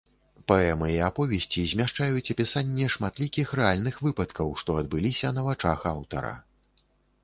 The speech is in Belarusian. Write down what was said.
Паэмы і аповесці змяшчаюць апісанне шматлікіх рэальных выпадкаў, што адбыліся на вачах аўтара.